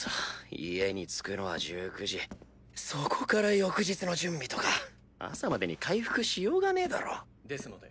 家に着くのは１９時そこから翌日の準備とか朝までに回復しようがねえだろですので。